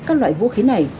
các loại vũ khí này